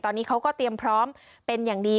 ตอนนี้เขาก็เตรียมพร้อมเป็นอย่างดี